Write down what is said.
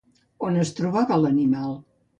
On es trobava l'animal?